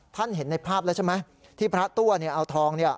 เห็นในภาพแล้วใช่ไหมที่พระตัวเนี่ยเอาทองเนี่ย